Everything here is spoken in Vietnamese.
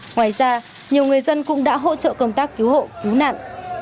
ngoài ra nhiều người dân cũng đã hỗ trợ công tác cứu hộ cứu nạn